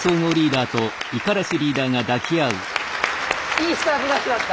いいスタートダッシュだった。